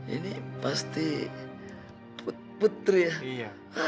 ini pasti putri ya